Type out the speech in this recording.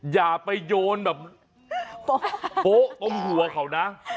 อย่าไปโยนแบบโป๊ะตรงหัวเขานะ